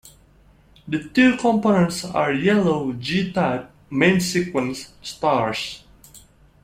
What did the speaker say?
The two components are yellow G-type main-sequence stars.